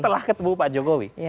setelah ketemu pak jokowi